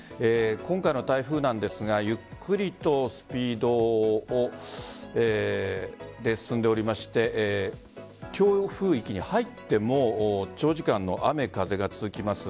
今回の台風なんですがゆっくりなスピードで進んでおりまして強風域に入っても長時間の雨風が続きます。